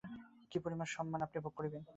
কি পরিমাণ সম্মান আপনি ভোগ করেন?